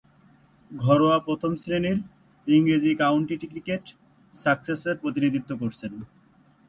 ঘরোয়া প্রথম-শ্রেণীর ইংরেজ কাউন্টি ক্রিকেটে সাসেক্সের প্রতিনিধিত্ব করেছেন।